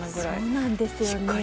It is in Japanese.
そうなんですよね。